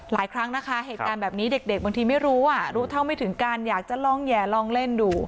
ครั้งนะคะเหตุการณ์แบบนี้เด็กบางทีไม่รู้อ่ะรู้เท่าไม่ถึงการอยากจะลองแห่ลองเล่นดู